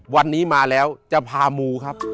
วันนี้มาแล้วจะพามูครับ